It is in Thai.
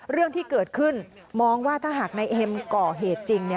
เรื่องที่เกิดขึ้นมองว่าถ้าหากนายเอ็มก่อเหตุจริง